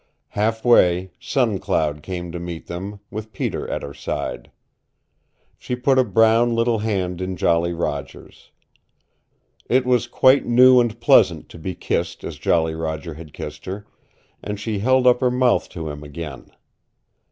Half way, Sun Cloud came to meet them, with Peter at her side. She put a brown little hand in Jolly Roger's. It was quite new and pleasant to be kissed as Jolly Roger had kissed her, and she held up her mouth to him again.